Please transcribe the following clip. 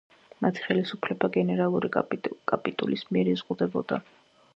მათი ხელისუფლება გენერალური კაპიტულის მიერ იზღუდებოდა.